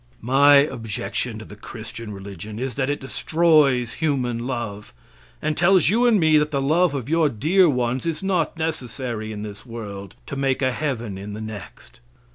My objection to the Christian religion is that it destroys human love, and tells you and me that the love of your dear ones is not necessary in this world to make a heaven in the next.